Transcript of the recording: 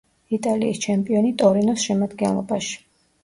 იტალიის ჩემპიონი „ტორინოს“ შემადგენლობაში.